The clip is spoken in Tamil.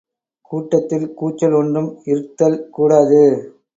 கூட்டத்தில் கூச்சல் ஒன்றும் இருத்தல் கூடாது.